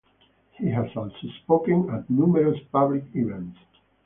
He has also spoken at numerous public events.